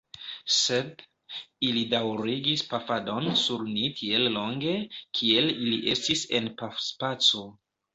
Sed, ili daŭrigis pafadon sur ni tiel longe, kiel ili estis en pafspaco.